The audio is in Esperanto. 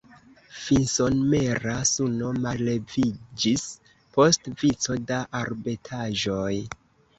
Finsomera suno malleviĝis post vico da arbetaĵoj.